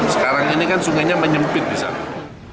sekarang ini kan sungainya menyempit di sana